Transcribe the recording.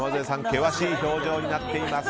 険しい表情になっています。